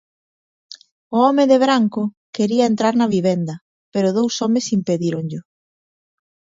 O home de branco quería entrar na vivenda pero dous homes impedíronllo.